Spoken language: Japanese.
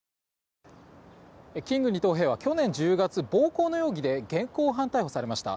キング二等兵は去年１０月暴行の容疑で現行犯逮捕されました。